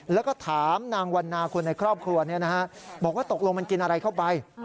แล้วก็ถามนางวันนาคนในครอบครัวบอกว่าตกลงมันกินอะไรเข้าไป